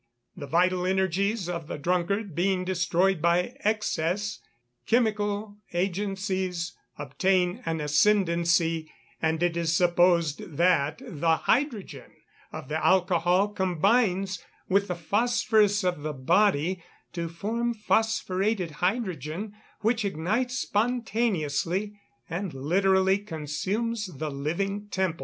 The vital energies of the drunkard, being destroyed by excess, chemical agencies obtain an ascendancy, and it is supposed that the hydrogen of the alcohol combines with the phosphorous of the body to form phosphoretted hydrogen, which ignites spontaneously, and literally consumes the living temple.